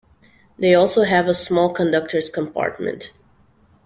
They also have a small conductor's compartment.